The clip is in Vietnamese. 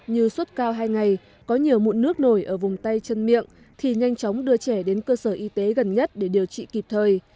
như suốt cao hai ngày có nhiều mụn nước nổi ở vùng tay chân miệng thì nhanh chóng đưa trẻ đến cơ sở y tế gần nhất để điều trị kịp thời